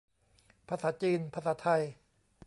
ภาษาจีน ภาษาไทย